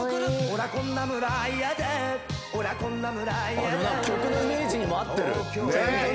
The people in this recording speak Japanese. あっでも何か曲のイメージにも合ってる！